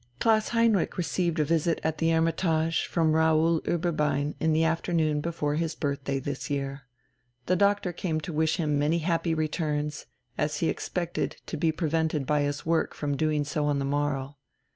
Klaus Heinrich received a visit at the "Hermitage" from Raoul Ueberbein the afternoon before his birthday this year. The Doctor came to wish him many happy returns, as he expected to be prevented by his work from doing so on the morrow.